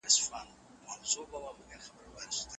د عايد د وېش څرنګوالي بدلون وموند.